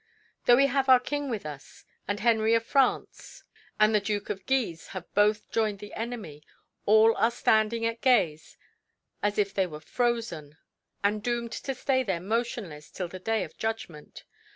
Though we have our King with us, and Henry of France and the Duke of Guise have both joined the enemy, all are standing at gaze as if they were frozen, and doomed to stay there motionless till the day of judgment.